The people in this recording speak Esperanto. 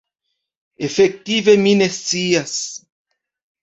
Efektive mi ne scias.